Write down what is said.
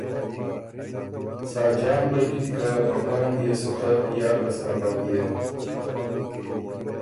ساجان غوېکِن که په پۀ رنګ يې سو خه یا ګه سرۀ بۀ بيې۔